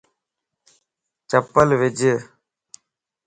چپل وج